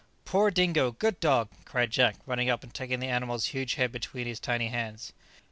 "Poor Dingo! good dog!" cried Jack, running up and taking the animal's huge head between his tiny hands.